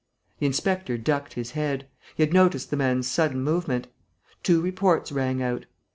The inspector ducked his head. He had noticed the man's sudden movement. Two reports rang out.